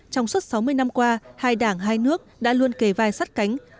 trong suốt sáu mươi năm qua hai đảng hai nước đã luôn kề vai sắt cánh